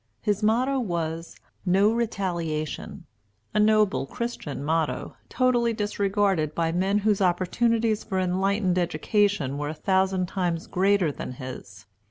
His motto was, "No Retaliation," a noble, Christian motto, totally disregarded by men whose opportunities for enlightened education were a thousand times greater than his.